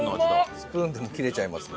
スプーンでも切れちゃいますね。